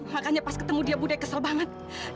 makanya pas ketemu dia bu demon kesel banget